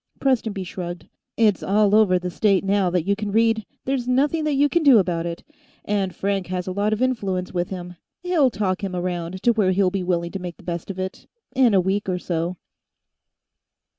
Prestonby shrugged. "It's all over the state now that you can read; there's nothing that you can do about it. And Frank has a lot of influence with him; he'll talk him around to where he'll be willing to make the best of it, in a week or so."